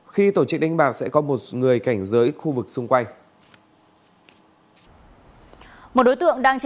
khi tổ chức đánh bạc sẽ có một người cảnh giới khu vực xung quanh